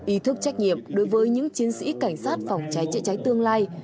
ý thức trách nhiệm đối với những chiến sĩ cảnh sát phòng cháy chữa cháy tương lai